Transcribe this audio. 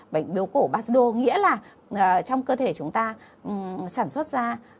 bệnh biểu cổ basdo nghĩa là trong cơ thể chúng ta sản xuất ra